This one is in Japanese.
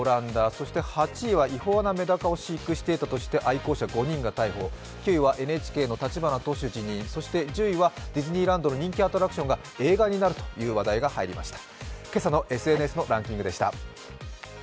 そして８位は、違法なメダカを飼育していたとして、愛好者５人が逮捕、９位はＮＨＫの立花党首辞任、そして１０位はディズニーランドの人気アトラクションが映画になるという話題が入りました。